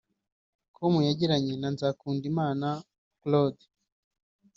com yagiranye na Nzakundimana Claude